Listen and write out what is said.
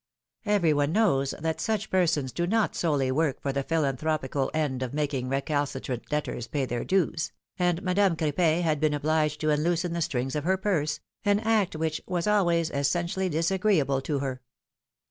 Every one knows that such persons do not solely work for the philanthropical end of making recalcitrant debtors pay their dues, and Madame Cr4pin had been obliged to unloosen the strings of her purse, an act which was always essentially disagreeable to her.